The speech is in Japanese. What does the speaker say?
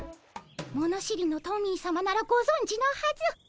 物知りのトミーさまならごぞんじのはず。